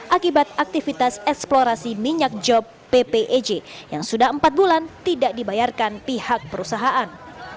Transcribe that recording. akibat aktivitas eksplorasi minyak job ppej yang sudah empat bulan tidak dibayarkan pihak perusahaan